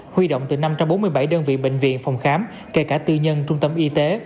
huy động từ năm trăm bốn mươi bảy đơn vị bệnh viện phòng khám kể cả tư nhân trung tâm y tế